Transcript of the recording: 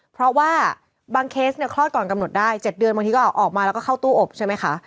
เพราะว่าบางเคสเนี่ยคลอดก่อนกำหนดได้๗เดือนบางทีก็ออกมาแล้วก็เข้าตู้อบใช่ไหมคะ